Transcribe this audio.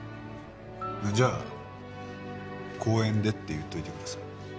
じゃあ公園でって言っといてください。